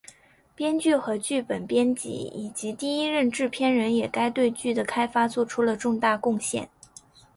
编剧和剧本编辑以及第一任制片人也对该剧的开发作出了重大贡献。